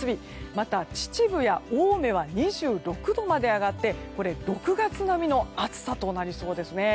また、秩父や青梅は２６度まで上がってこれ、６月並みの暑さとなりそうですね。